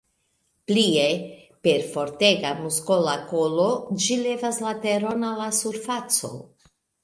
Plie, per fortega muskola kolo ĝi levas la teron al la surfaco.